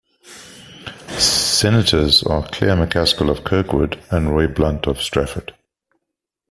Senators are Claire McCaskill of Kirkwood and Roy Blunt of Strafford.